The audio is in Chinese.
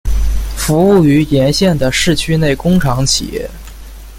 服务于沿线的市区内工厂企业。